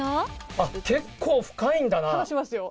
あっ、結構深いんだな。